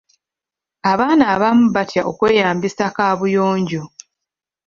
Abaana abamu batya okweyambisa kaabuyonjo.